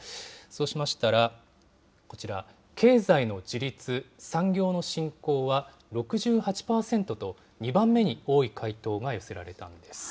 そうしましたら、こちら、経済の自立・産業の振興は６８％と、２番目に多い回答が寄せられたんです。